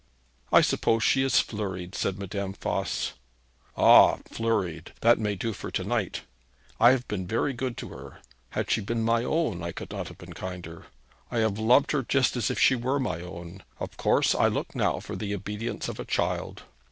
'I suppose she is flurried,' said Madame Voss. 'Ah, flurried! That may do for to night. I have been very good to her. Had she been my own, I could not have been kinder. I have loved her just as if she were my own. Of course I look now for the obedience of a child.'